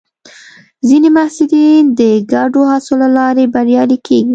ځینې محصلین د ګډو هڅو له لارې بریالي کېږي.